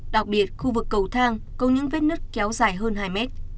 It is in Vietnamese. đặc biệt khu vực cầu thang có những vết nứt kéo dài hơn hai mét